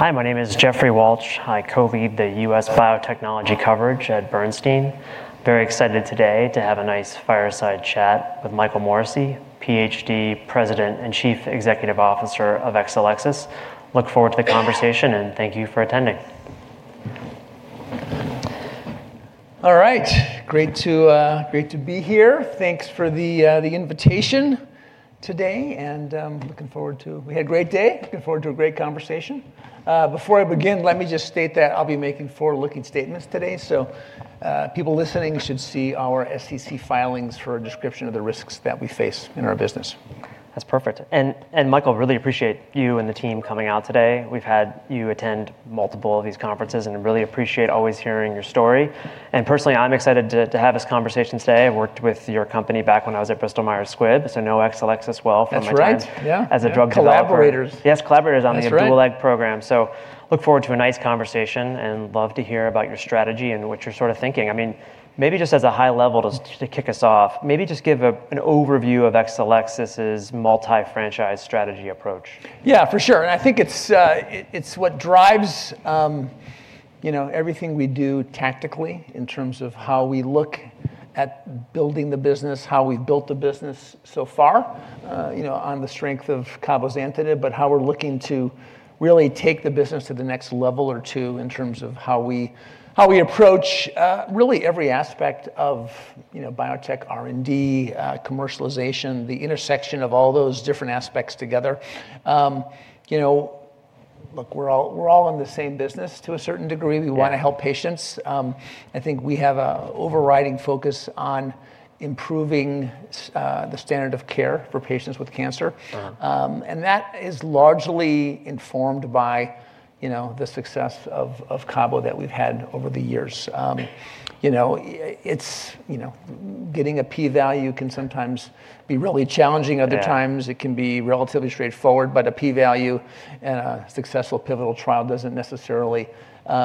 Hi, my name is Jeffrey Walch. I co-lead the U.S. biotechnology coverage at Bernstein. Very excited today to have a nice fireside chat with Michael Morrissey, PhD, President and Chief Executive Officer of Exelixis. Look forward to the conversation, and thank you for attending. All right. Great to be here. Thanks for the invitation today. We had a great day. Looking forward to a great conversation. Before I begin, let me just state that I'll be making forward-looking statements today, so people listening should see our SEC filings for a description of the risks that we face in our business. That's perfect. Michael, really appreciate you and the team coming out today. We've had you attend multiple of these conferences, and really appreciate always hearing your story. Personally, I'm excited to have this conversation today. I worked with your company back when I was at Bristol Myers Squibb, so know Exelixis well from my time. That's right. Yeah. as a drug developer. Collaborators. Yes, collaborators. That's right. Dual LAG program. Look forward to a nice conversation and love to hear about your strategy and what you're thinking. Maybe just as a high level to kick us off, maybe just give an overview of Exelixis' multi-franchise strategy approach. Yeah, for sure. I think it's what drives everything we do tactically in terms of how we look at building the business, how we've built the business so far on the strength of cabozantinib, but how we're looking to really take the business to the next level or two in terms of how we approach really every aspect of biotech R&D, commercialization, the intersection of all those different aspects together. Look, we're all in the same business to a certain degree. Yeah. We want to help patients. I think we have an overriding focus on improving the standard of care for patients with cancer. That is largely informed by the success of cabo that we've had over the years. Getting a p-value can sometimes be really challenging. Yeah. Other times it can be relatively straightforward. A p-value and a successful pivotal trial doesn't necessarily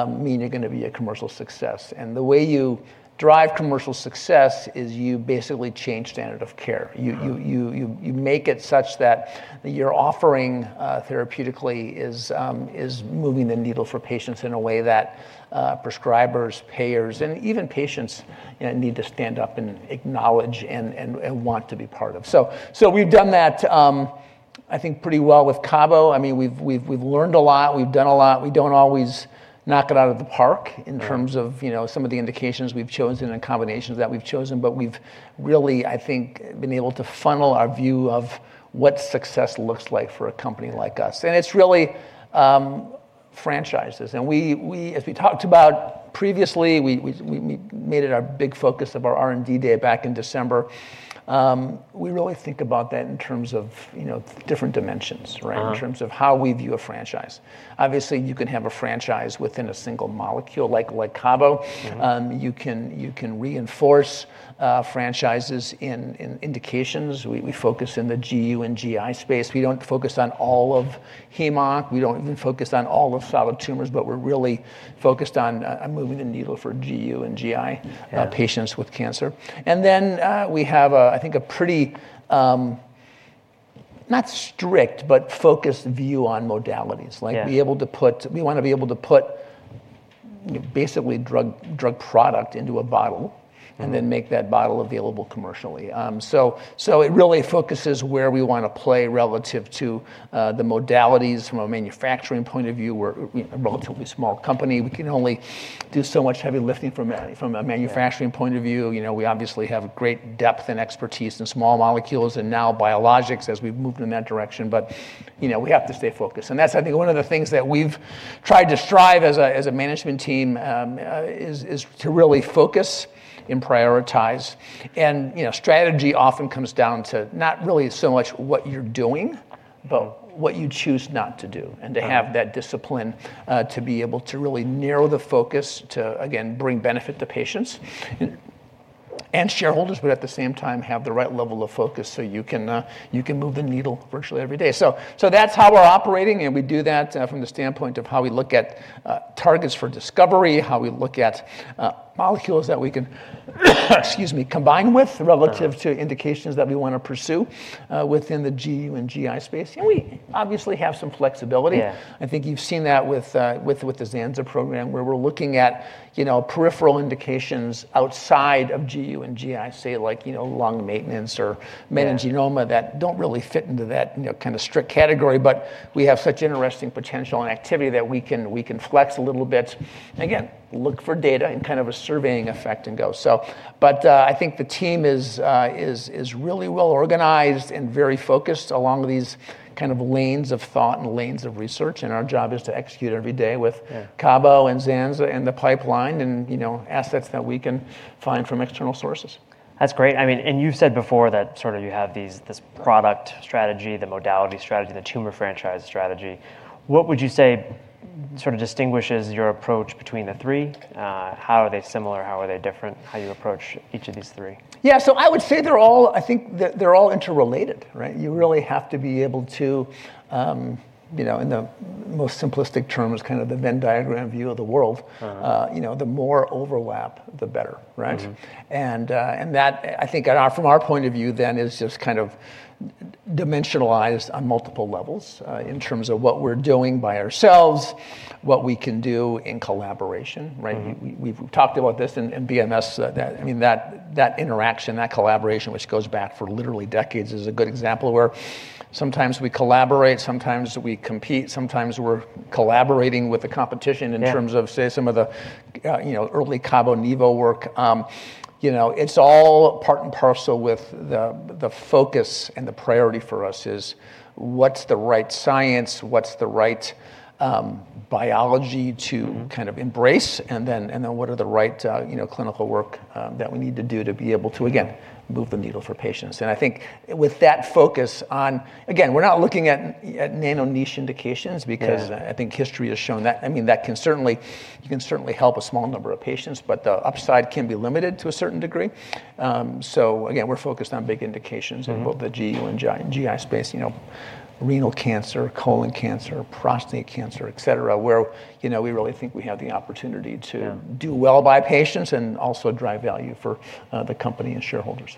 mean you're going to be a commercial success. The way you drive commercial success is you basically change standard of care. You make it such that you're offering therapeutically is moving the needle for patients in a way that prescribers, payers, and even patients need to stand up and acknowledge and want to be part of. We've done that, I think pretty well with cabo. We've learned a lot. We've done a lot. We don't always knock it out of the park in terms of some of the indications we've chosen and combinations that we've chosen, but we've really, I think, been able to funnel our view of what success looks like for a company like us. It's really franchises. As we talked about previously, we made it our big focus of our R&D day back in December. We really think about that in terms of different dimensions in terms of how we view a franchise. Obviously, you can have a franchise within a single molecule like cabo. You can reinforce franchises in indications. We focus in the GU and GI space. We don't focus on all of heme. We don't even focus on all of solid tumors, but we're really focused on moving the needle for GU and GI. Yeah Patients with cancer. We have, I think a pretty, not strict, but focused view on modalities. Yeah. We want to be able to put basically drug product into a bottle. Make that bottle available commercially. It really focuses where we want to play relative to the modalities from a manufacturing point of view. We're a relatively small company. We can only do so much heavy lifting from a manufacturing point of view. We obviously have great depth and expertise in small molecules and now biologics as we've moved in that direction. We have to stay focused. That's, I think one of the things that we've tried to strive as a management team, is to really focus and prioritize. Strategy often comes down to not really so much what you're doing, but what you choose not to do. Right. To have that discipline to be able to really narrow the focus to, again, bring benefit to patients and shareholders, but at the same time have the right level of focus so you can move the needle virtually every day. That's how we're operating, and we do that from the standpoint of how we look at targets for discovery, how we look at molecules that we can excuse me, combine with relative to indications that we want to pursue within the GU and GI space. We obviously have some flexibility. Yeah. I think you've seen that with the zanza program, where we're looking at peripheral indications outside of GU and GI, say like lung maintenance or meningioma that don't really fit into that strict category, but we have such interesting potential and activity that we can flex a little bit. Again, look for data in kind of a surveying effect and go. I think the team is really well organized and very focused along these kind of lanes of thought and lanes of research, and our job is to execute every day with cabo and zanza and the pipeline and assets that we can find from external sources. That's great. You've said before that sort of you have this product strategy, the modality strategy, the tumor franchise strategy. What would you say, sort of distinguishes your approach between the three? How are they similar? How are they different? How you approach each of these three? Yeah. I would say, I think that they're all interrelated, right? You really have to be able to, in the most simplistic terms, kind of the Venn diagram view of the world. The more overlap, the better, right? That I think from our point of view then is just kind of dimensionalized on multiple levels, in terms of what we're doing by ourselves, what we can do in collaboration, right? We've talked about this in BMS, I mean, that interaction, that collaboration, which goes back for literally decades, is a good example of where sometimes we collaborate, sometimes we compete, sometimes we're collaborating with the competition. Yeah In terms of, say, some of the early cabo-nivo work. It's all part and parcel with the focus and the priority for us is what's the right science, what's the right biology to kind of embrace, and then what are the right clinical work that we need to do to be able to, again, move the needle for patients. I think with that focus on, again, we're not looking at nano niche indications because. Yeah I think history has shown that can certainly help a small number of patients, but the upside can be limited to a certain degree. Again, we're focused on big indications in both the GI space, renal cancer, colon cancer, prostate cancer, et cetera, where we really think we have the opportunity to do well by patients and also drive value for the company and shareholders.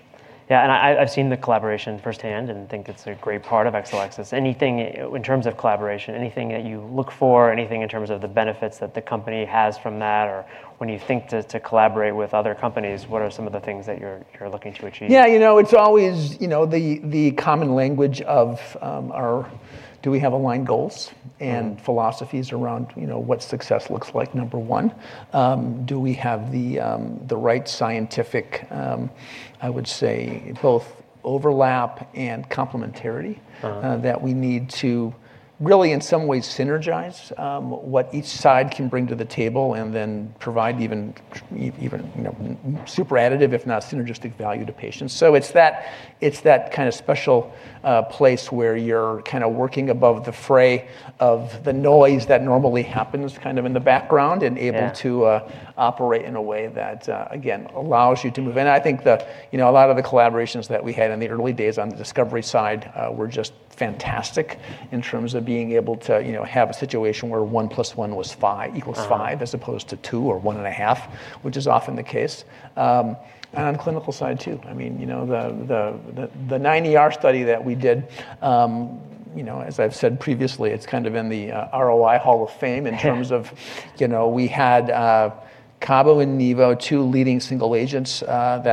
Yeah. I've seen the collaboration firsthand and think it's a great part of Exelixis. In terms of collaboration, anything that you look for, anything in terms of the benefits that the company has from that? When you think to collaborate with other companies, what are some of the things that you're looking to achieve? Yeah. It's always the common language of our, do we have aligned goals and philosophies around what success looks like, number one? Do we have the right scientific, I would say, both overlap and complementarity that we need to really, in some ways, synergize what each side can bring to the table and then provide even super additive, if not synergistic value to patients. It's that kind of special place where you're kind of working above the fray of the noise that normally happens kind of in the background. Yeah Even to operate in a way that, again, allows you to move in. I think a lot of the collaborations that we had in the early days on the discovery side were just fantastic in terms of being able to have a situation where 1 + 1 = 5 as opposed to two 1.5, which is often the case. On the clinical side, too, I mean, the 9ER study that we did, as I've said previously, it's kind of in the ROI hall of fame in terms of we had cabo and nivo, two leading single agents that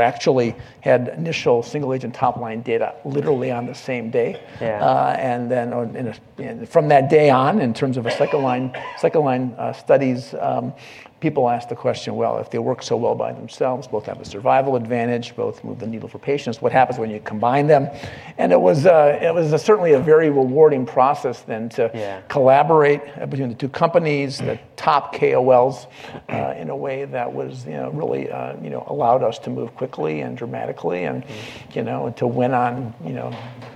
actually had initial single-agent top line data literally on the same day. Yeah. From that day on, in terms of second line studies, people ask the question, well, if they work so well by themselves, both have a survival advantage, both move the needle for patients, what happens when you combine them? It was certainly a very rewarding process then. Yeah Collaborate between the two companies, the top KOLs, in a way that really allowed us to move quickly and dramatically and to win on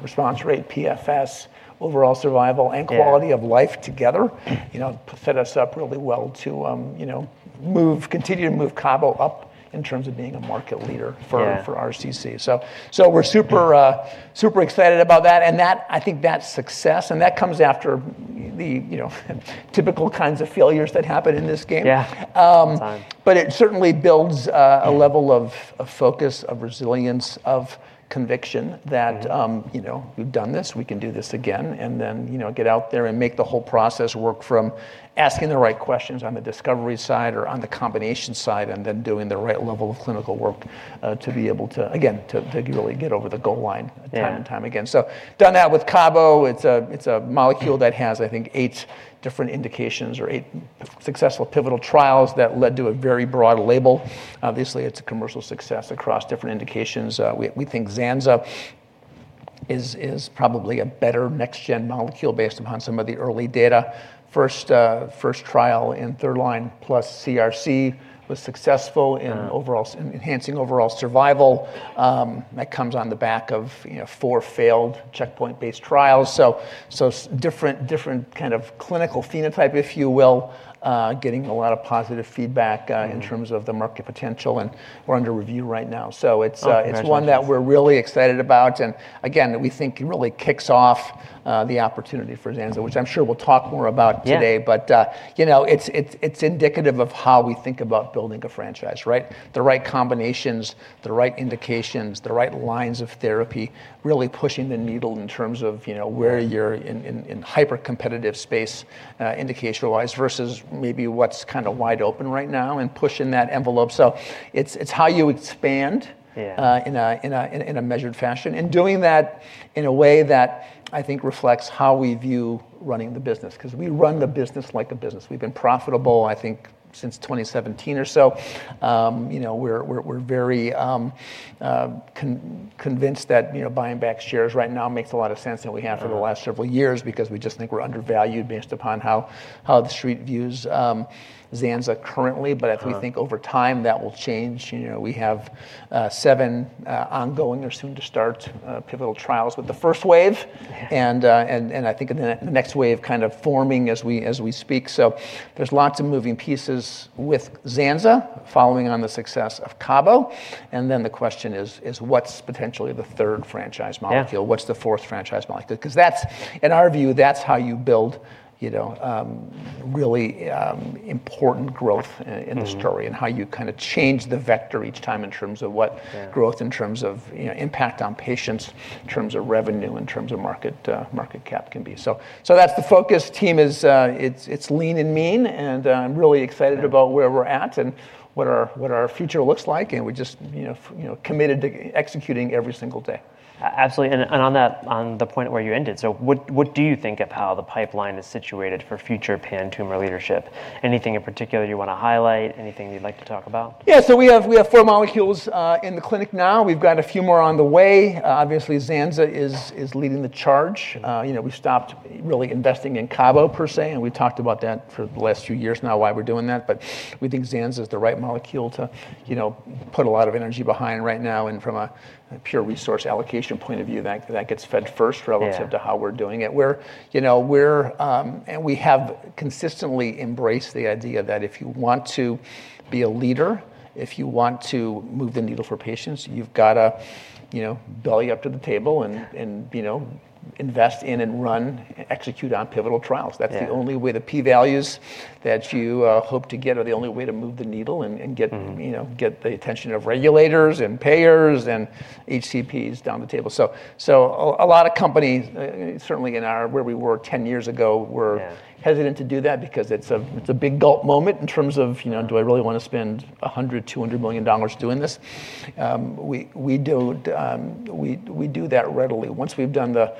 response rate, PFS, overall survival, and quality of life together. Set us up really well to continue to move cabo up in terms of being a market leader for RCC. Yeah. We're super excited about that, and I think that's success, and that comes after the typical kinds of failures that happen in this game. Yeah. It's fine. It certainly builds a level of focus, of resilience, of conviction that we've done this, we can do this again, and then get out there and make the whole process work from asking the right questions on the discovery side or on the combination side, and then doing the right level of clinical work to be able to, again, to really get over the goal line time and time again. Yeah. Done that with cabo. It's a molecule that has, I think, eight different indications or eight successful pivotal trials that led to a very broad label. Obviously, it's a commercial success across different indications. We think zanza is probably a better next gen molecule based upon some of the early data. First trial in third-line plus CRC was successful in enhancing overall survival. That comes on the back of four failed checkpoint-based trials. Different kind of clinical phenotype, if you will, getting a lot of positive feedback. In terms of the market potential, and we're under review right now. Oh, congratulations. One that we're really excited about, and again, that we think really kicks off the opportunity for zanza, which I'm sure we'll talk more about today. Yeah. It's indicative of how we think about building a franchise, right? The right combinations, the right indications, the right lines of therapy really pushing the needle in terms of, you know, where you're in hypercompetitive space, indication-wise, versus maybe what's kind of wide open right now and pushing that envelope. Yeah It is how you expand in a measured fashion, and doing that in a way that I think reflects how we view running the business because we run the business like a business. We've been profitable, I think, since 2017 or so. We're very convinced that buying back shares right now makes a lot of sense than we have for the last several years because we just think we're undervalued based upon how the Street views zanza currently but we think over time that will change. We have seven ongoing or soon-to-start pivotal trials with the first wave. Yeah I think the next wave kind of forming as we speak. There's lots of moving pieces with zanza following on the success of cabo, and then the question is what's potentially the third franchise molecule? Yeah. What's the fourth franchise molecule? In our view, that's how you build really important growth in the story. How you kind of change the vector each time in terms of growth in terms of impact on patients, in terms of revenue, in terms of market cap can be. That's the focus. Team is lean and mean, and I'm really excited about where we're at and what our future looks like, and we're just committed to executing every single day. Absolutely. On the point where you ended, what do you think of how the pipeline is situated for future pan-tumor leadership? Anything in particular you want to highlight? Anything you'd like to talk about? Yeah. We have four molecules in the clinic now. We've got a few more on the way. Obviously zanza is leading the charge. We've stopped really investing in cabo per se, and we've talked about that for the last few years now, why we're doing that. We think zanza is the right molecule to put a lot of energy behind right now, and from a pure resource allocation point of view, that gets fed first relative- Yeah to how we're doing it. We have consistently embraced the idea that if you want to be a leader, if you want to move the needle for patients, you've got to belly up to the table. Yeah Invest in and run, execute on pivotal trials. Yeah. That's the only way, the p-values that you hope to get are the only way to move the needle. The attention of regulators and payers and HCPs down the table. A lot of companies, certainly in where we were 10 years ago, were hesitant to do that because it's a big gulp moment in terms of do I really want to spend $100, $200 million doing this? We do that readily. Once we've done the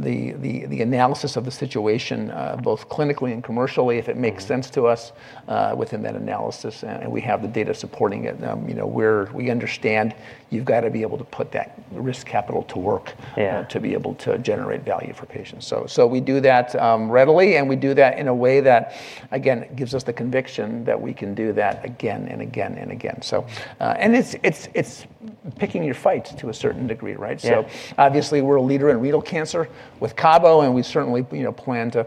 analysis of the situation, both clinically and commercially, if it makes sense to us within that analysis, and we have the data supporting it, we understand you've got to be able to put that risk capital to work. Yeah to be able to generate value for patients. We do that readily, and we do that in a way that, again, gives us the conviction that we can do that again and again, and again. It's picking your fights to a certain degree, right? Yeah. Obviously we're a leader in renal cancer with cabo, and we certainly plan to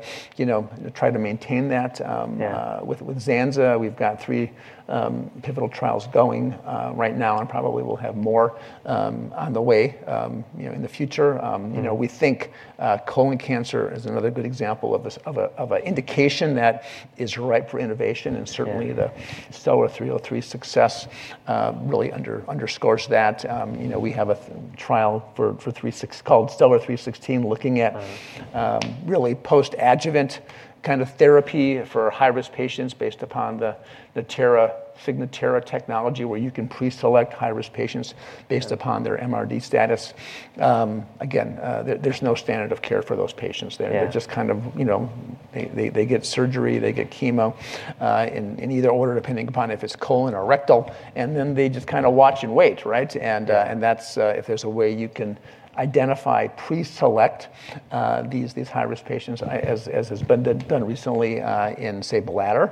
try to maintain that. Yeah. With zanza, we've got three pivotal trials going right now, and probably we'll have more on the way in the future. We think colon cancer is another good example of an indication that is ripe for innovation. Yeah The STELLAR-303 success really underscores that. We have a trial called STELLAR-316 looking at. Right Really post-adjuvant kind of therapy for high-risk patients based upon the Signatera technology, where you can pre-select high-risk patients based upon their MRD status. Again, there's no standard of care for those patients there. Yeah. They just kind of get surgery, they get chemo in either order, depending upon if it's colon or rectal, and then they just kind of watch and wait, right? If there's a way you can identify, pre-select these high-risk patients as has been done recently in, say, bladder,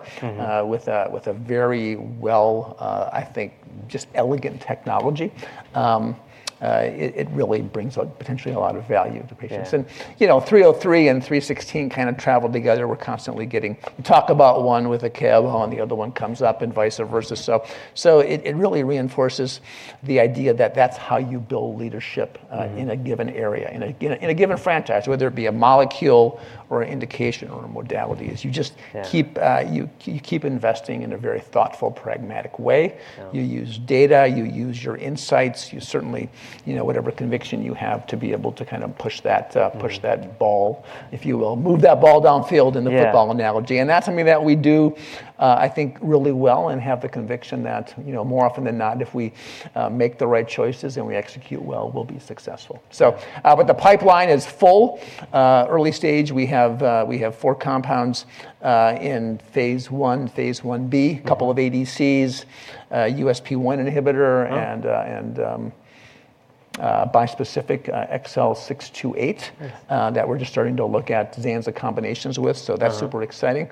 with a very well, I think, just elegant technology. It really brings, potentially, a lot of value to patients. Yeah. 303 and 316 kind of travel together. We're constantly getting talk about one with a cabo, and the other one comes up and vice versa. It really reinforces the idea that that's how you build leadership in a given area, in a given franchise, whether it be a molecule or an indication or a modality, is you just investing in a very thoughtful, pragmatic way. Yeah. You use data, you use your insights, you certainly, whatever conviction you have to be able to kind of push that ball, if you will, move that ball downfield in the football analogy. Yeah. That's something that we do, I think, really well and have the conviction that more often than not, if we make the right choices and we execute well, we'll be successful. The pipeline is full. Early stage, we have four compounds in phase I, phase I-B a couple of ADCs, a USP1 inhibitor. Bispecific XB628 that we're just starting to look at zanzalintinib combinations with. That's super exciting.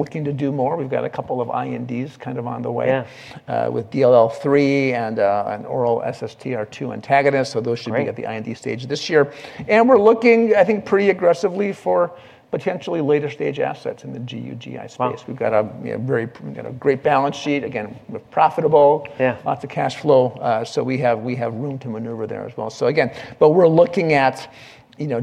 Looking to do more. We've got a couple of INDs kind of on the way. Yeah with DLL3 and an oral SSTR2 antagonist. Great at the IND stage this year. We're looking, I think, pretty aggressively for potentially later-stage assets in the GU/GI space. Wow. We've got a great balance sheet, again, we're profitable. Yeah. Lots of cash flow. We have room to maneuver there as well. Again, we're looking at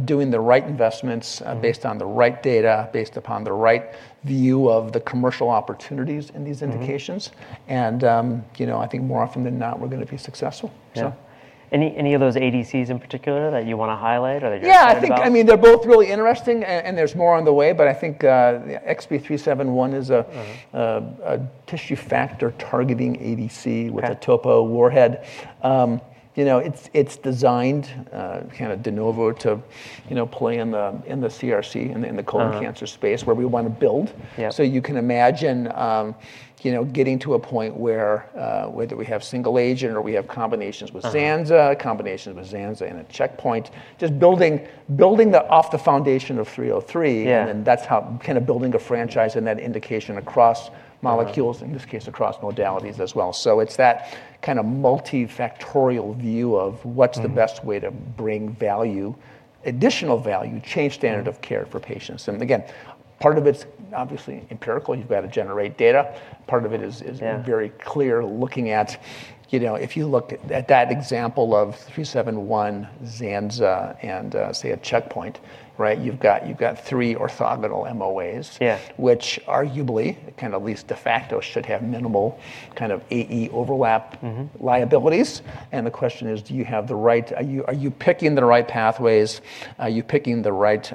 doing the right investments based on the right data, based upon the right view of the commercial opportunities in these indications. I think more often than not, we're going to be successful. Yeah. Any of those ADCs in particular that you want to highlight or that you're excited about? Yeah, I think they're both really interesting. There's more on the way. I think XB371 is tissue factor targeting ADC with a topo warhead. It's designed kind of de novo to play in the CRC, in the colon cancer space, where we want to build. Yeah. You can imagine getting to a point where, whether we have single agent or we have combinations with zanza, combinations with zanza and a checkpoint, just building off the foundation of 303. Yeah That's how building a franchise and that indication across molecules. Yeah It's that kind of multifactorial view of what's the best way to bring value, additional value, change standard of care for patients. Again, part of it's obviously empirical. You've got to generate data. Part of it is very clear looking at if you looked at that example of 371, zanza, and say, a checkpoint, right? You've got three orthogonal MOAs. Yeah. Which arguably, kind of least de facto should have minimal AE overlap liabilities. The question is, are you picking the right pathways? Are you picking the right,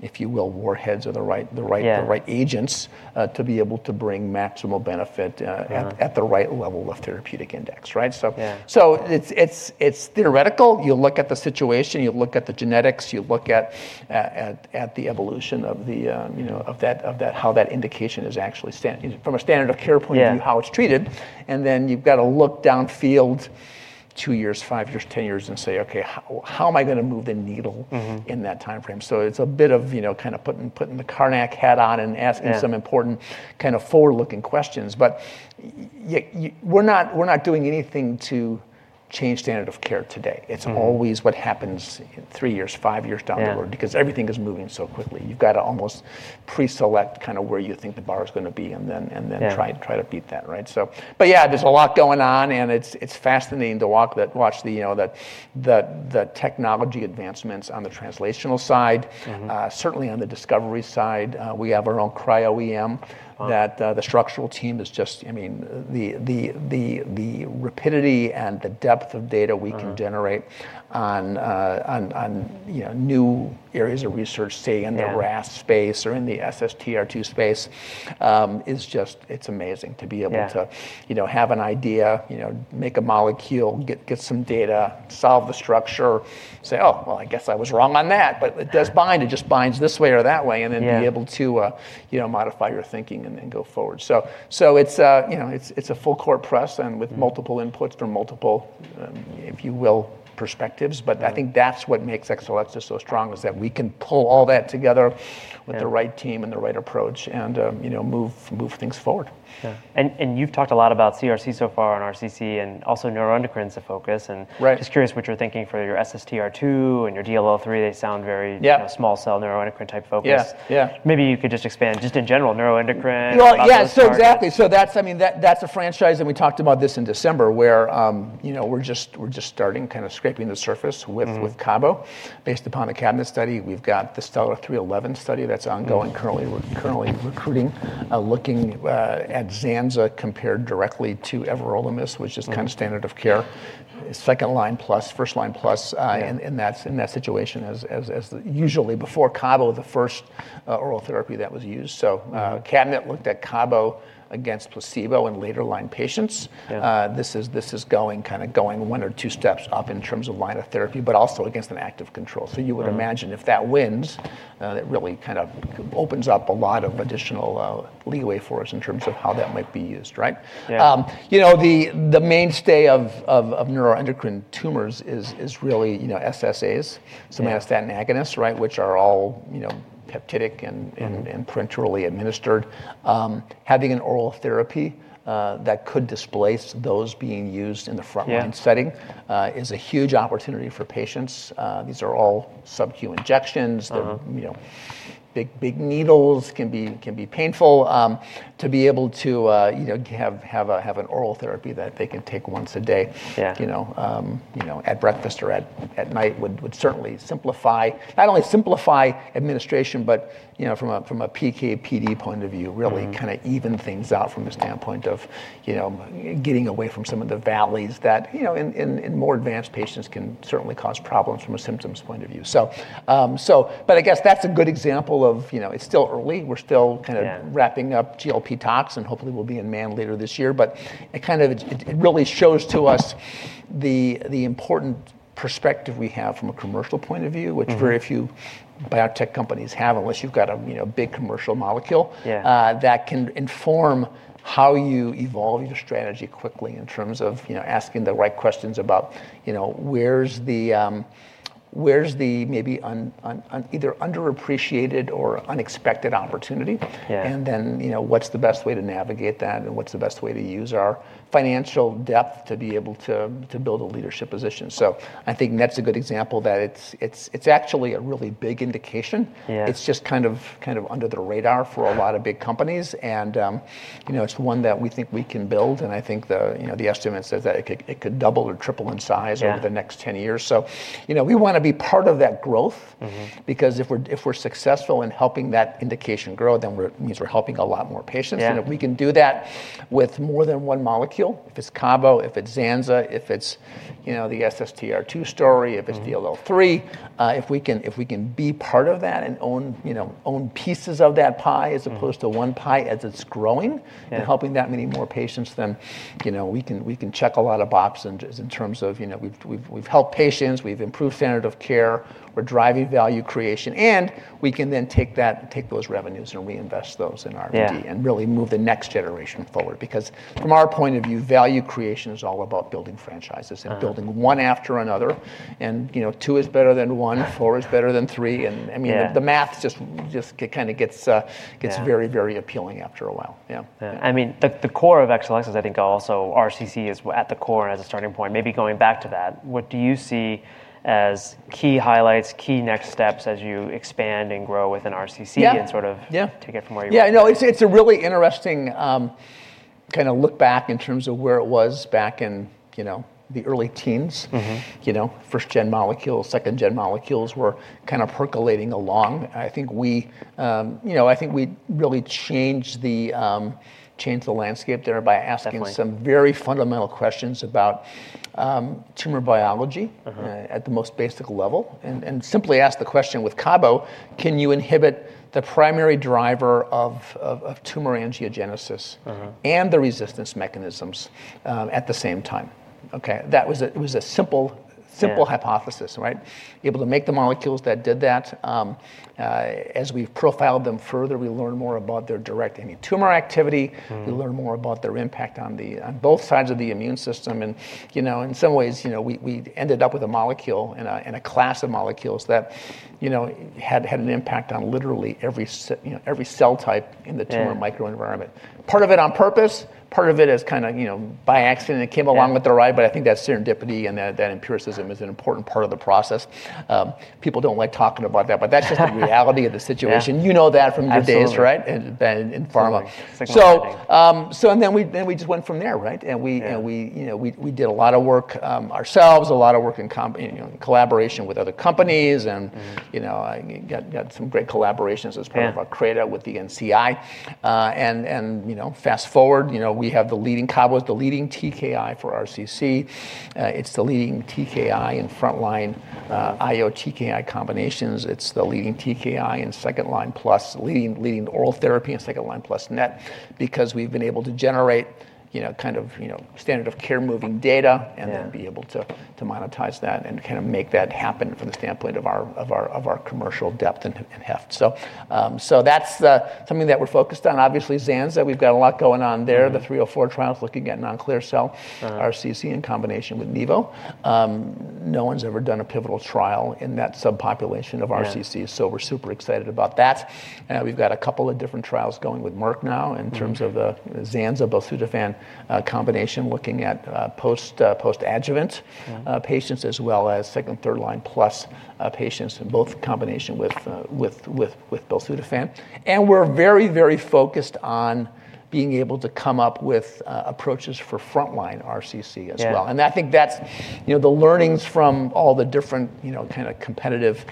if you will, warheads of the right agents to be able to bring maximal benefit at the right level of therapeutic index, right? Yeah. It's theoretical. You look at the situation, you look at the genetics, you look at the evolution of how that indication is actually standing from a standard of care point of view. Yeah How it's treated, and then you've got to look downfield two years, five years, 10 years and say, "Okay, how am I going to move the needle in that timeframe?" It's a bit of putting the Carnac hat on some important kind of forward-looking questions. We're not doing anything to change standard of care today. It's always what happens three years, five years down the road. Yeah. Everything is moving so quickly. You've got to almost pre-select where you think the bar is going to be, and then try to beat that, right? Yeah, there's a lot going on, and it's fascinating to watch the technology advancements on the translational side certainly on the discovery side, we have our own cryo-EM. Wow. That the structural team is just, the rapidity and the depth of data we can generate on new areas of research, say in the RAS space or in the SSTR2 space, it's amazing to be able to. Yeah have an idea, make a molecule, get some data, solve the structure, say, "Oh, well, I guess I was wrong on that, but it does bind. It just binds this way or that way. Yeah. Then be able to modify your thinking and then go forward. It's a full court press and with multiple inputs from multiple, if you will, perspectives. I think that's what makes Exelixis so strong is that we can pull all that together with the right team and the right approach and move things forward. Yeah. You've talked a lot about CRC so far and RCC and also neuroendocrine is a focus. Right just curious what you're thinking for your SSTR2 and your DLL3. Yeah small cell neuroendocrine type focus. Yeah. Maybe you could just expand just in general neuroendocrine, about those targets. Yeah. Exactly. That's a franchise, and we talked about this in December, where we're just starting kind of scraping the surface with cabo. Based upon the CABINET study, we've got the STELLAR-311 study that's ongoing. Currently recruiting, looking at zanza compared directly to everolimus, which is kind of standard of care, second-line plus, first line plus. Yeah In that situation as usually before cabo, the first oral therapy that was used. CABINET looked at cabo against placebo in later line patients. Yeah. This is going one or two steps up in terms of line of therapy, but also against an active control. You would imagine if that wins, that really kind of opens up a lot of additional leeway for us in terms of how that might be used, right? Yeah. The mainstay of neuroendocrine tumors is really SSAs. Yeah Somatostatin agonists, which are all peptidic and parenterally administered. Having an oral therapy that could displace those being used in the frontline setting is a huge opportunity for patients. These are all subcu injections. They're big needles, can be painful. To be able to have an oral therapy that they can take once a day. Yeah At breakfast or at night would certainly simplify, not only simplify administration, but from a PK/PD point of view. Really kind of even things out from the standpoint of getting away from some of the valleys that in more advanced patients can certainly cause problems from a symptoms point of view. I guess that's a good example of it's still early. Yeah Wrapping up GLP tox, and hopefully we'll be in man later this year, but it really shows to us the important perspective we have from a commercial point of view which very few biotech companies have, unless you've got a big commercial molecule. Yeah That can inform how you evolve your strategy quickly in terms of asking the right questions about where's the maybe either underappreciated or unexpected opportunity? Yeah. What's the best way to navigate that, and what's the best way to use our financial depth to be able to build a leadership position? I think that's a good example that it's actually a really big indication. Yeah. It's just kind of under the radar for a lot of big companies, and it's one that we think we can build, and I think the estimate says that it could double or triple in size. Yeah over the next 10 years. We want to be part of that growth. If we're successful in helping that indication grow, then it means we're helping a lot more patients. Yeah. If we can do that with more than one molecule, if it's cabo, if it's zanza, if it's the SSTR2 story. If it's DLL3. If we can be part of that and own pieces of that pie as opposed to one pie as it's growing. Yeah Helping that many more patients then we can check a lot of boxes in terms of we've helped patients, we've improved standard of care, we're driving value creation. We can then take those revenues and reinvest those in R&D. Yeah Really move the next generation forward. Because from our point of view, value creation is all about building franchises. Building one after another. Two is better than one, four is better than three. The math just kind of gets very, very appealing after a while. Yeah. The core of Exelixis, I think also RCC is at the core and as a starting point, maybe going back to that, what do you see as key highlights, key next steps as you expand and grow within RCC? Yeah Sort of take it from where you were? Yeah, no, it's a really interesting kind of look back in terms of where it was back in the early teens. First-gen molecules, second-gen molecules were kind of percolating along. I think we really changed the landscape there by asking. Definitely some very fundamental questions about tumor biology at the most basic level, simply asked the question with cabo, can you inhibit the primary driver of tumor angiogenesis and the resistance mechanisms at the same time? Okay. It was a simple hypothesis, right? We were able to make the molecules that did that. As we've profiled them further, we learn more about their direct anti-tumor activity. We learn more about their impact on both sides of the immune system. In some ways, we ended up with a molecule and a class of molecules that had an impact on literally every cell type in the tumor microenvironment. Part of it on purpose, part of it as kind of by accident, it came along with the ride. I think that serendipity and that empiricism is an important part of the process. People don't like talking about that, but that's just the reality of the situation. Yeah. You know that from your days, right? Absolutely. In pharma. Absolutely. We just went from there, right? Yeah. We did a lot of work ourselves, a lot of work in collaboration with other companies. got some great collaborations as part of our credo with the NCI. Fast forward, we have cabo's the leading TKI for RCC. It's the leading TKI in frontline IO TKI combinations. It's the leading TKI in second-line plus leading oral therapy and second-line plus NET because we've been able to generate kind of standard of care moving data. Yeah Be able to monetize that and kind of make that happen from the standpoint of our commercial depth and heft. That's something that we're focused on. Obviously, zanza, we've got a lot going on there. The STELLAR-304 trial is looking at non-clear cell. RCC in combination with nivo, no one's ever done a pivotal trial in that subpopulation of RCC. Yeah. We're super excited about that. We've got a couple of different trials going with Merck now in terms of the zanza belzutifan combination, looking at post-adjuvant patients as well as second- and third-line plus patients in both combination with belzutifan. We're very, very focused on being able to come up with approaches for frontline RCC as well. Yeah. I think that's the learnings from all the different kind of competitive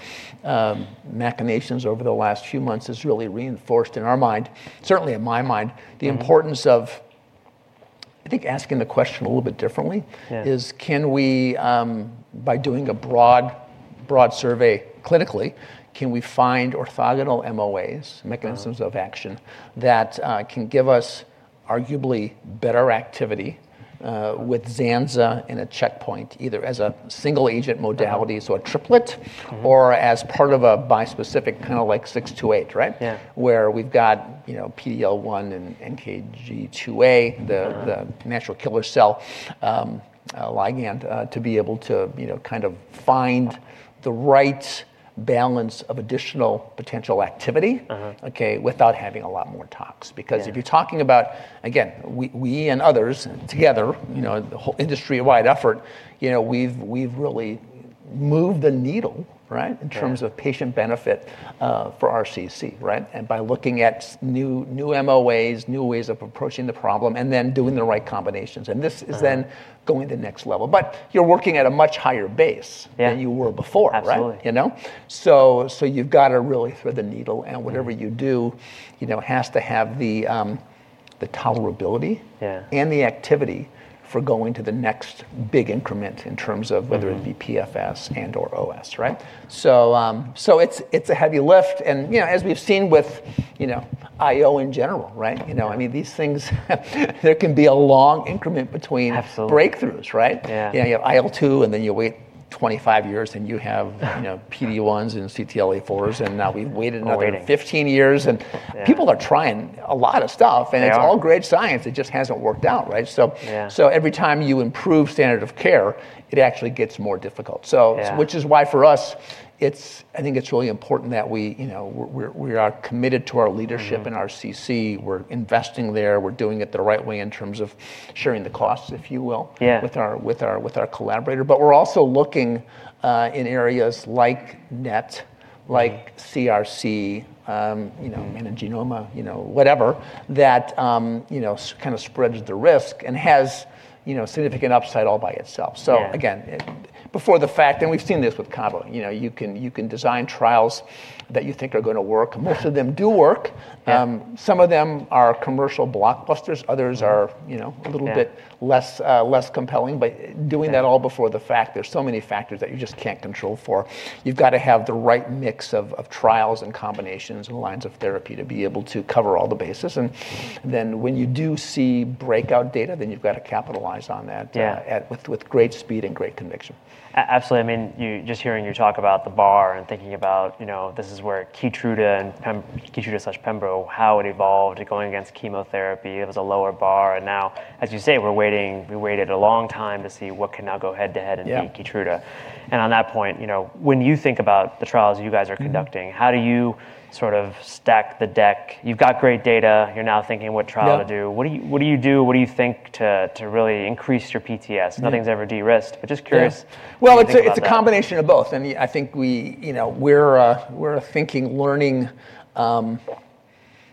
machinations over the last few months has really reinforced in our mind, certainly in my mind. The importance of, I think, asking the question a little bit differently. Yeah. Can we, by doing a broad survey clinically, can we find orthogonal MOAs, mechanisms of action, that can give us arguably better activity, with zanza in a checkpoint, either as a single-agent modality, so a triplet or as part of a bispecific, kind of like 628, right? Yeah. Where we've got PDL1 and NKG2A, the natural killer cell ligand to be able to kind of find the right balance of additional potential activity. Okay, without having a lot more tox. Yeah. If you're talking about, again, we and others together the whole industry-wide effort, we've really moved the needle, right? Yeah. In terms of patient benefit for RCC, right? By looking at new MOAs, new ways of approaching the problem, and then doing the right combinations. This is then going the next level. You're working at a much higher base- Yeah than you were before, right? Absolutely. You've got to really thread the needle. Whatever you do has to have the tolerability and the activity for going to the next big increment in terms of, it be PFS and/or OS, right? It's a heavy lift and as we've seen with IO in general, right? Yeah. These things there can be a long increment between. Absolutely breakthroughs, right? Yeah. You have IL-2, and then you wait 25 years and you have PD-1s and CTLA-4s. Waiting 15 years Yeah People are trying a lot of stuff. Yeah. It's all great science, it just hasn't worked out, right? Yeah Every time you improve standard of care, it actually gets more difficult. Yeah Which is why for us, I think it's really important that we are committed to our leadership in RCC. We're investing there, we're doing it the right way in terms of sharing the costs, if you will. Yeah With our collaborator. We're also looking, in areas like NET, like CRC, melanoma, whatever, that kind of spreads the risk and has significant upside all by itself. Yeah. Again, before the fact, and we've seen this with cabo. You can design trials that you think are going to work. Yeah. Most of them do work. Yeah. Some of them are commercial blockbusters. Yeah Others are a little bit less compelling. Doing that all before the fact, there's so many factors that you just can't control for. You've got to have the right mix of trials and combinations and lines of therapy to be able to cover all the bases. When you do see breakout data, you've got to capitalize on that with great speed and great conviction. Absolutely. Just hearing you talk about the bar and thinking about this is where KEYTRUDA/Pembro, how it evolved going against chemotherapy, it was a lower bar, and now, as you say, we waited a long time to see what can now go head to head and beat. Yeah KEYTRUDA. On that point, when you think about the trials you guys are conducting. How do you sort of stack the deck? You've got great data. You're now thinking what trial to do. Yeah. What do you do, what do you think to really increase your PTS? Nothing's ever de-risked, but just curious. Yeah What you think about that? It's a combination of both. I think we're a thinking, learning,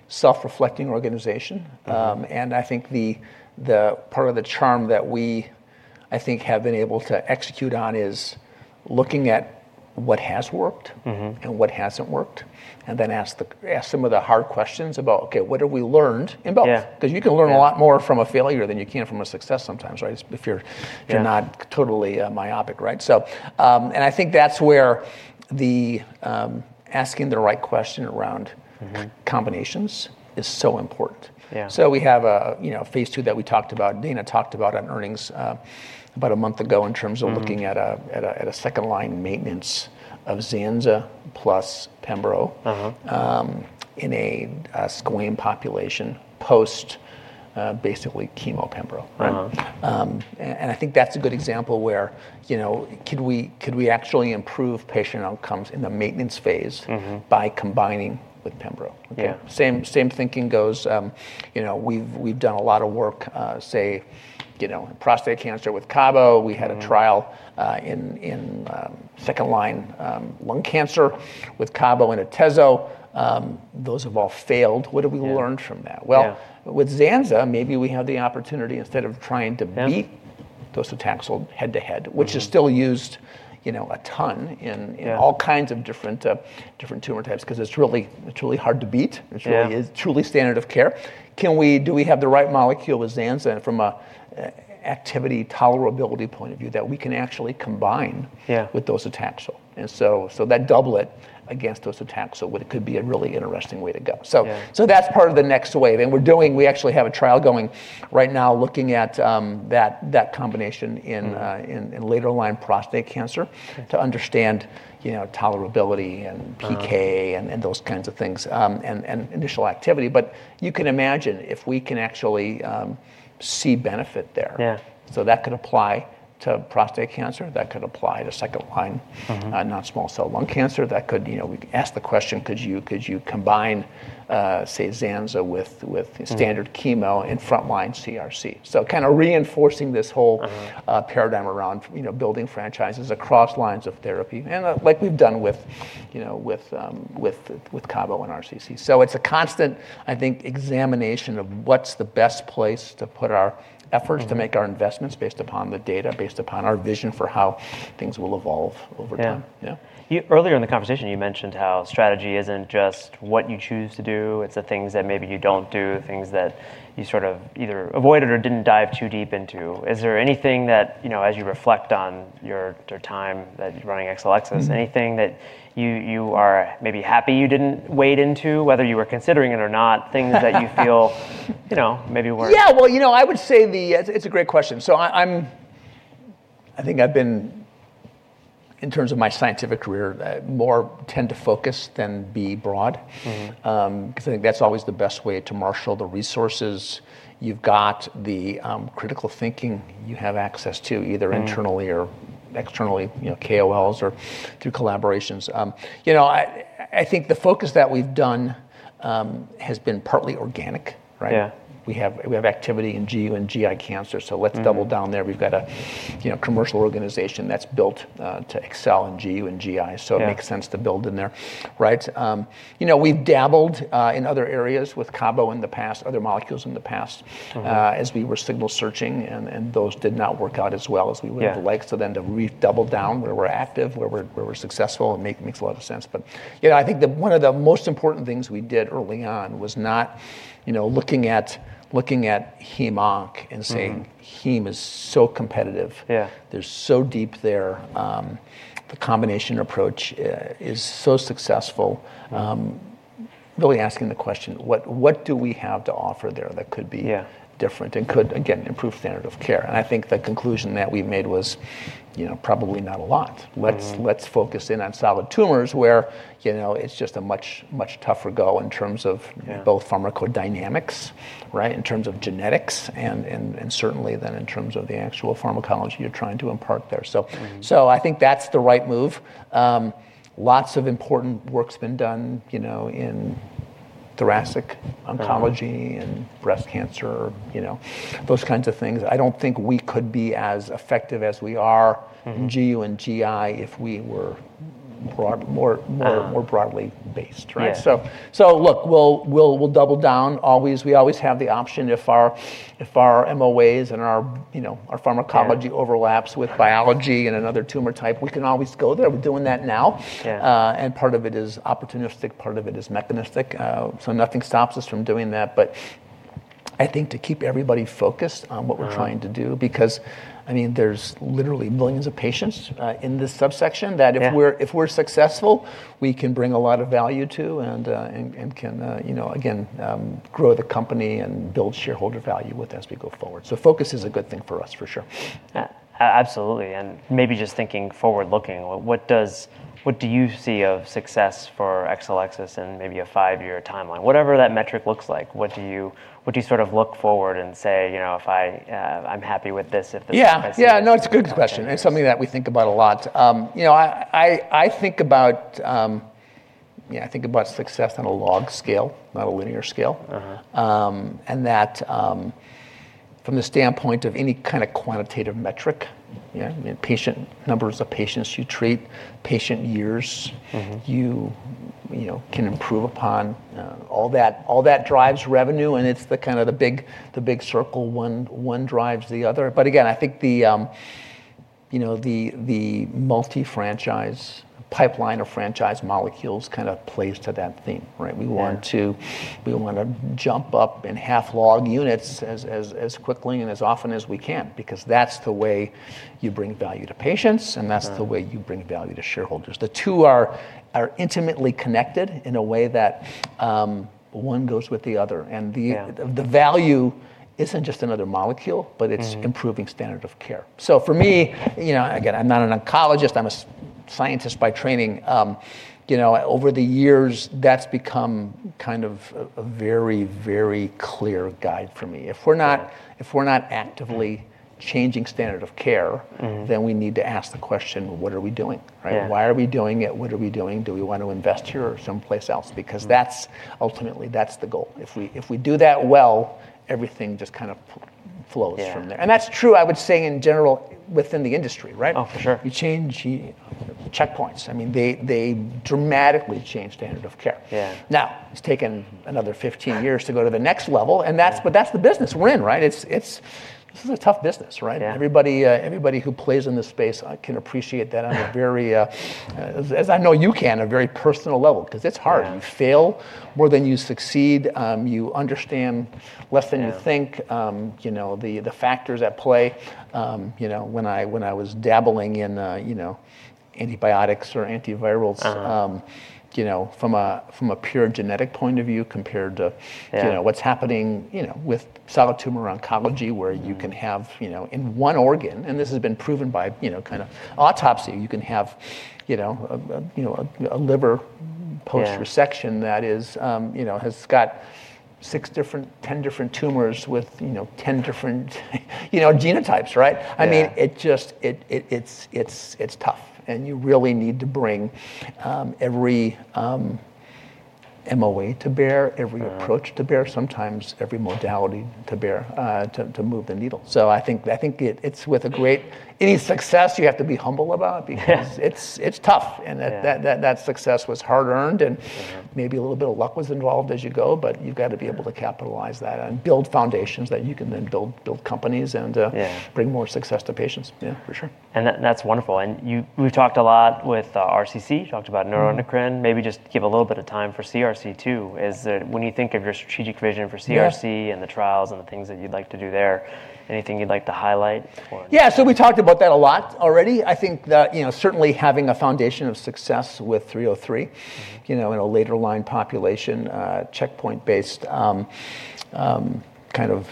self-reflecting organization. I think the part of the charm that we, I think, have been able to execute on is looking at what has worked. What hasn't worked, and then ask some of the hard questions about, okay, what have we learned in both? Yeah. Because you can learn a lot more from a failure than you can from a success sometimes, right? Yeah Not totally myopic, right? I think that's where the asking the right question around. Combinations is so important. Yeah. We have a phase II that we talked about, Dana talked about on earnings about a month ago in terms of looking at a second-line maintenance of zanza plus pembro in a squamous population post basically chemo pembro. I think that's a good example where, could we actually improve patient outcomes in the maintenance phase by combining with pembro. Yeah. Same thinking goes, we've done a lot of work, say, in prostate cancer with cabo. We had a trial in second-line lung cancer with cabo and atezo. Those have all failed. What have we learned from that? Yeah. Well, with zanza, maybe we have the opportunity, instead of trying to beat docetaxel head to head which is still used a ton. Yeah All kinds of different tumor types because it's really hard to beat. Yeah. It's really standard of care. Do we have the right molecule with zanza from a activity tolerability point of view that we can actually combine with docetaxel? That doublet against docetaxel, it could be a really interesting way to go. Yeah. That's part of the next wave, and we actually have a trial going right now looking at that combination in later-line prostate cancer to understand tolerability and PK and those kinds of things, and initial activity. You can imagine if we can actually see benefit there. Yeah. That could apply to prostate cancer, that could apply to second-line, non-small cell lung cancer. We could ask the question, could you combine, say, zanzalintinib with standard chemo in front line CRC? kind of reinforcing this whole paradigm around building franchises across lines of therapy. Like we've done with cabo and RCC. It's a constant, I think, examination of what's the best place to put our efforts to make our investments based upon the data, based upon our vision for how things will evolve over time. Yeah. Yeah. Earlier in the conversation, you mentioned how strategy isn't just what you choose to do, it's the things that maybe you don't do, things that you sort of either avoided or didn't dive too deep into. Is there anything that, as you reflect on your time running Exelixis? Anything that you are maybe happy you didn't wade into, whether you were considering it or not? Things that you feel- maybe weren't? It's a great question. I think I've been, in terms of my scientific career, more tend to focus than be broad. Because I think that's always the best way to marshal the resources you've got, the critical thinking you have access to, either internally or externally, KOLs or through collaborations. I think the focus that we've done has been partly organic, right? Yeah. We have activity in GU and GI cancer, so let's double down there. We've got a commercial organization that's built to excel in GU and GI. Yeah. It makes sense to build in there, right? We've dabbled in other areas with cabo in the past, other molecules in the past as we were signal searching, and those did not work out as well as we would have liked. Yeah. To redouble down where we're active, where we're successful, it makes a lot of sense. I think that one of the most important things we did early on was not looking at heme-onc and saying, "Heme is so competitive. Yeah. They're so deep there. The combination approach is so successful. Really asking the question, what do we have to offer there that could be different and could, again, improve standard of care? I think the conclusion that we made was probably not a lot. Let's focus in on solid tumors where it's just a much tougher go in terms of both pharmacodynamics, right? In terms of genetics, certainly then in terms of the actual pharmacology you're trying to impart there. I think that's the right move. Lots of important work's been done in thoracic oncology, breast cancer, those kinds of things. I don't think we could be as effective as we are in GU and GI if we were broadly based, right? Yeah. Look, we'll double down. We always have the option if our MOAs and our pharmacology overlaps with biology and another tumor type, we can always go there. We're doing that now. Yeah. Part of it is opportunistic, part of it is mechanistic. Nothing stops us from doing that, but I think to keep everybody focused on what we're trying to do, because there's literally millions of patients in this subsection that. Yeah If we're successful, we can bring a lot of value to and can, again, grow the company and build shareholder value with as we go forward. Focus is a good thing for us, for sure. Absolutely. Maybe just thinking forward-looking, what do you see of success for Exelixis in maybe a five-year timeline? Whatever that metric looks like, what do you sort of look forward and say, "I'm happy with this if this happens? Yeah. No, it's a good question. It's something that we think about a lot. I think about success on a log scale, not a linear scale. That from the standpoint of any kind of quantitative metric, numbers of patients you treat, patient years. You can improve upon. All that drives revenue. It's the big circle, one drives the other. Again, I think the multi-franchise pipeline or franchise molecules kind of plays to that theme, right? Yeah. We want to jump up in half log units as quickly and as often as we can, because that's the way you bring value to patients. That's the way you bring value to shareholders. The two are intimately connected in a way that one goes with the other. Yeah The value isn't just another molecule but it is mproving standard of care. For me, again, I'm not an oncologist, I'm a scientist by training. Over the years, that's become kind of a very clear guide for me. If we're not actively changing standard of care, then we need to ask the question, what are we doing, right? Yeah. Why are we doing it? What are we doing? Do we want to invest here or someplace else? Ultimately, that's the goal. If we do that well, everything just kind of flows from there. Yeah. That's true, I would say, in general, within the industry, right? Oh, for sure. You change checkpoints. They dramatically change standard of care. Yeah. Now, it's taken another 15 years to go to the next level, and that's the business we're in, right? This is a tough business, right? Yeah. Everybody who plays in this space can appreciate that on a very, as I know you can, a very personal level, because it's hard. Yeah. You fail more than you succeed. You understand less than you think. Yeah. The factors at play. When I was dabbling in antibiotics or antivirals from a pure genetic point of view compared of what's happening with solid tumor oncology, where you can have, in one organ, and this has been proven by autopsy, you can have a liver post-resection that has got 10 different tumors with 10 different genotypes, right? Yeah. It's tough. You really need to bring every MOA to bear, every approach to bear, sometimes every modality to bear, to move the needle. I think any success you have to be humble about. Yeah It's tough. Yeah Success was hard earned. Maybe a little bit of luck was involved as you go, but you've got to be able to capitalize that and build foundations that you can then build companies. Yeah Bring more success to patients. Yeah, for sure. That's wonderful. We've talked a lot with RCC, talked about neuroendocrine. Maybe just give a little bit of time for CRC, too. When you think of your strategic vision for CRC? Yeah The trials and the things that you'd like to do there, anything you'd like to highlight or? Yeah, we talked about that a lot already. I think that certainly having a foundation of success with 303 in a later line population, checkpoint based kind of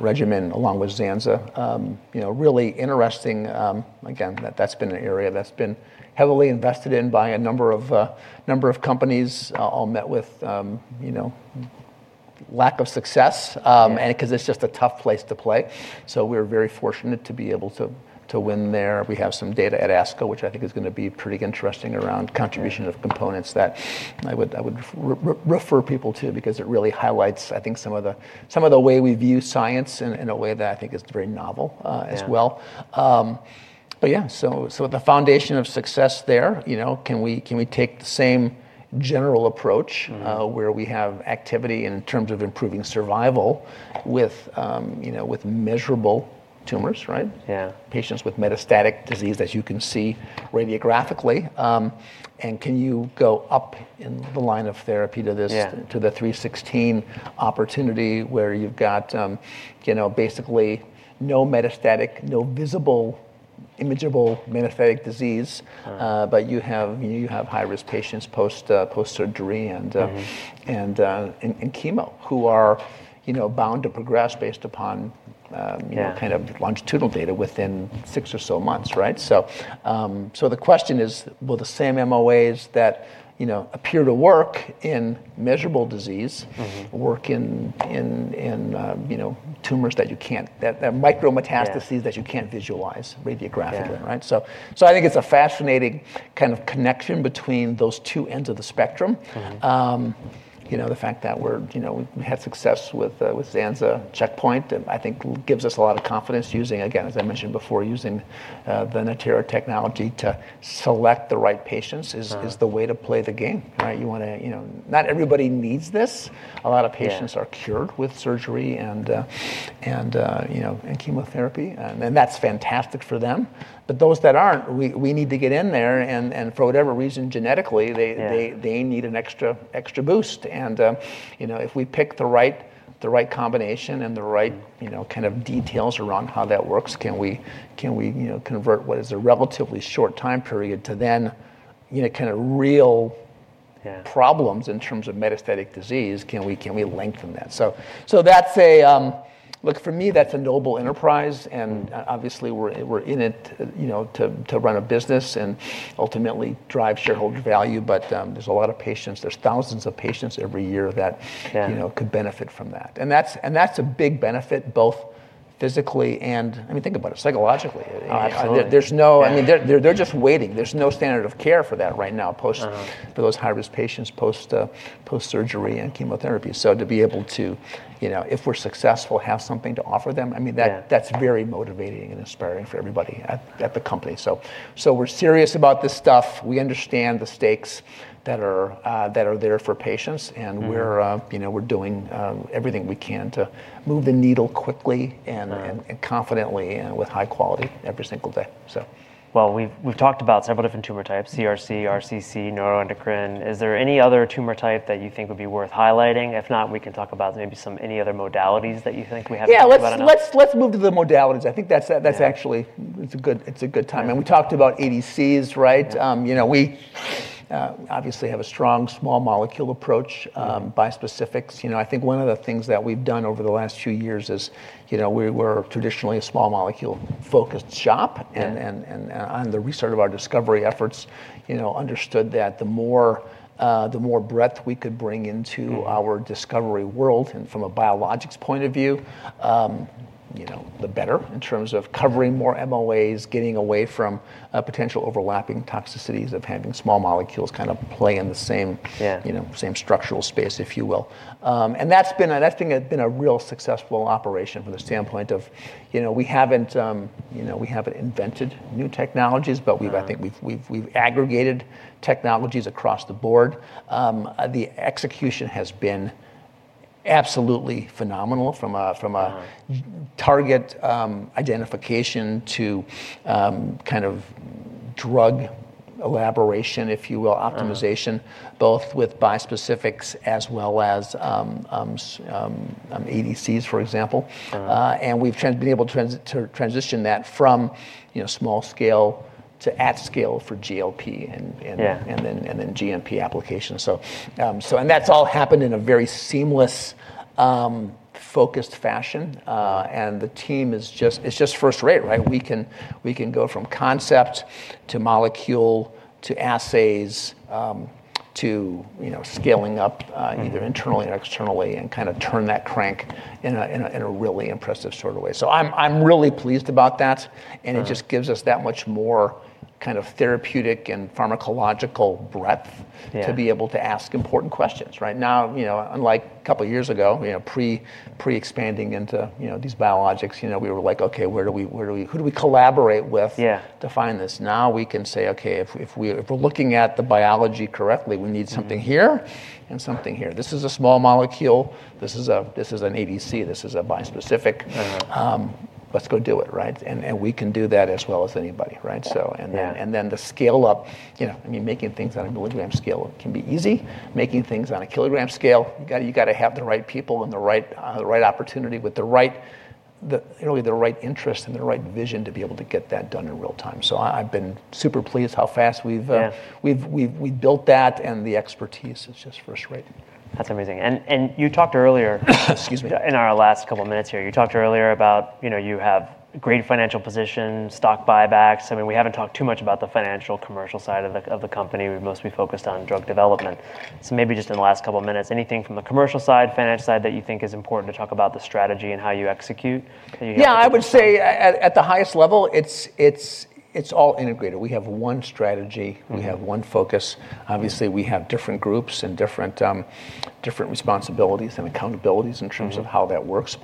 regimen along with zanza. Really interesting. That's been an area that's been heavily invested in by a number of companies, all met with lack of success. Yeah. Because it's just a tough place to play. We're very fortunate to be able to win there. We have some data at ASCO, which I think is going to be pretty interesting around contribution of components that I would refer people to because it really highlights, I think, some of the way we view science in a way that I think is very novel as well. Yeah. The foundation of success there. Can we take the same general approach where we have activity in terms of improving survival with measurable tumors, right? Yeah. Patients with metastatic disease that you can see radiographically. Can you go up in the line of therapy to this? Yeah. To the 316 opportunity where you've got basically no metastatic, no visible, immeasurable metastatic disease. You have high-risk patients post-surgery in chemo who are bound to progress based upon kind of longitudinal data within six or so months, right? The question is, will the same MOAs that appear to work in measurable disease work in tumors that micro-metastases. Yeah that you can't visualize radiographically? Yeah. Right. I think it's a fascinating kind of connection between those two ends of the spectrum. The fact that we had success with zanza checkpoint, I think gives us a lot of confidence using, again, as I mentioned before, using the Natera technology to select the right patients is the way to play the game, right? Not everybody needs this. A lot of patients are cured with surgery and chemotherapy. That's fantastic for them. Those that aren't, we need to get in there, and for whatever reason, genetically, they need an extra boost. Yeah If we pick the right combinations and right kind of details around how that works, can we convert what is a relatively short time period to them, kind of real problems in terms of metastatic disease? Can we lengthen that? Look, for me, that's a noble enterprise, and obviously we're in it to run a business and ultimately drive shareholder value. There's a lot of patients, there's thousands of patients every year that could benefit from that. That's a big benefit both physically and, I mean, think about it, psychologically. Absolutely. They're just waiting. There's no standard of care for that right now for those high-risk patients post-surgery and chemotherapy. To be able to, if we're successful, have something to offer them, I mean. Yeah That's very motivating and inspiring for everybody at the company. We're serious about this stuff. We understand the stakes that are there for patients, and we're doing everything we can to move the needle quickly and confidently and with high quality every single day. Well, we've talked about several different tumor types, CRC, RCC, neuroendocrine. Is there any other tumor type that you think would be worth highlighting? If not, we can talk about maybe any other modalities that you think we haven't talked about enough. Yeah, let's move to the modalities. I think that's actually a good time. We talked about ADCs, right? Yeah. We obviously have a strong small molecule approach, bispecifics. I think one of the things that we've done over the last few years is we were traditionally a small molecule-focused shop. Yeah. On the restart of our discovery efforts understood that the more breadth we could bring into our discovery world and from a biologics point of view, the better in terms of covering more MOAs, getting away from potential overlapping toxicities of having small molecules kind of play in the same structural space, if you will. That's been a real successful operation from the standpoint of we haven't invented new technologies, but I think we've aggregated technologies across the board. The execution has been absolutely phenomenal from a target identification to kind of drug elaboration, if you will, optimization, both with bispecifics as well as ADCs, for example. We've been able to transition that from small scale to at scale for GLP. Yeah GMP applications. That's all happened in a very seamless, focused fashion. The team is just first rate, right? We can go from concept to molecule to assays to scaling up either internally or externally and kind of turn that crank in a really impressive sort of way. I'm really pleased about that, and it just gives us that much more kind of therapeutic and pharmacological breadth. Yeah To be able to ask important questions, right? Now unlike a couple of years ago, pre-expanding into these biologics, we were like, "Okay, who do we collaborate with to find this?" Now we can say, "Okay, if we're looking at the biology correctly, we need something here and something here. This is a small molecule. This is an ADC. This is a bispecific. Let's go do it, right? We can do that as well as anybody, right? Yeah. The scale up, making things on a milligram scale can be easy. Making things on a kilogram scale, you got to have the right people and the right opportunity with really the right interest and the right vision to be able to get that done in real time. So I've been super pleased how fast we've built that, and the expertise is just first rate. That's amazing. You talked earlier. Excuse me. In our last couple minutes here, you talked earlier about you have great financial position, stock buybacks. I mean, we haven't talked too much about the financial commercial side of the company. We've mostly focused on drug development. Maybe just in the last couple of minutes, anything from the commercial side, financial side that you think is important to talk about the strategy and how you execute? Yeah, I would say at the highest level, it's all integrated. We have one strategy. We have one focus. Obviously, we have different groups and different responsibilities and accountabilities in terms of how that works.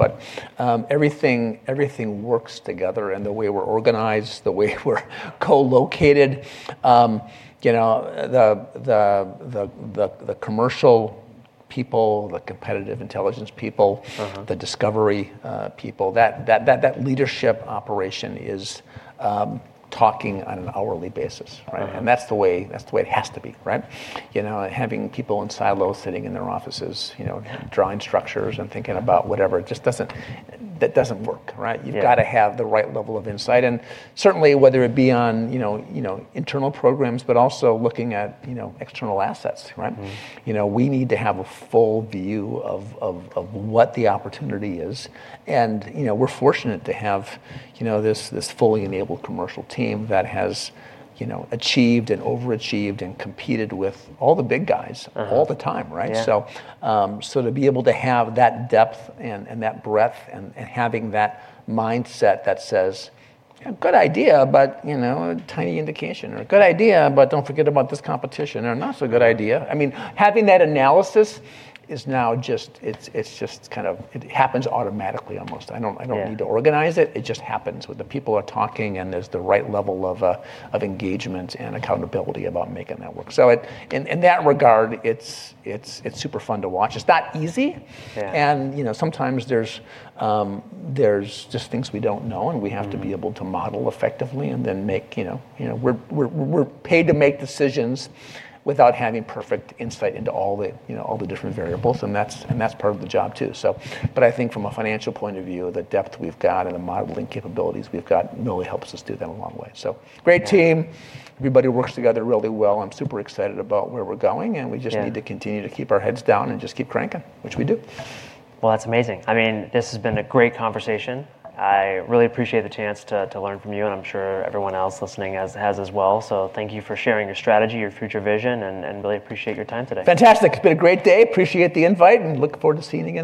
Everything works together in the way we're organized, the way we're co-located. The commercial people, the competitive intelligence people, the discovery people, that leadership operation is talking on an hourly basis, right? That's the way it has to be, right? Having people in silos sitting in their offices- Yeah drawing structures and thinking about whatever, that doesn't work, right? Yeah. You've got to have the right level of insight, and certainly whether it be on internal programs, but also looking at external assets, right? We need to have a full view of what the opportunity is. We're fortunate to have this fully enabled commercial team that has achieved and overachieved and competed with all the big guys all the time, right? Yeah. To be able to have that depth and that breadth and having that mindset that says, "Good idea, but a tiny indication," or, "Good idea, but don't forget about this competition," or, "Not so good idea." I mean, having that analysis, it happens automatically almost. I don't need to organize it just happens when the people are talking, and there's the right level of engagement and accountability about making that work. In that regard, it's super fun to watch. It's that easy. Yeah. Sometimes there's just things we don't know, and we have to be able to model effectively and then we're paid to make decisions without having perfect insight into all the different variables, and that's part of the job too. I think from a financial point of view, the depth we've got and the modeling capabilities we've got really helps us do that a long way. Great team. Everybody works together really well. I'm super excited about where we're going, and we just need to continue to keep our heads down and just keep cranking, which we do. Well, that's amazing. I mean, this has been a great conversation. I really appreciate the chance to learn from you, and I'm sure everyone else listening has as well. Thank you for sharing your strategy, your future vision, and really appreciate your time today. Fantastic. It's been a great day. Appreciate the invite and look forward to seeing you again.